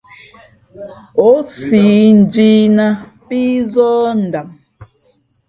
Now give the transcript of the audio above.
Ǒ siʼ njǐ nāt pí zᾱh ndam.